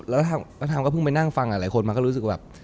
แล้วถ้าผมก็พึ่งไปนั่งฟังอะหลายคนมันก็รู้สึกว่าแบบ